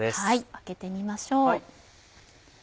開けてみましょう。